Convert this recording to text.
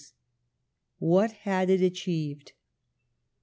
What had it achieved